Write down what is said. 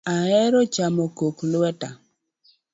Ahero chamo kok lweta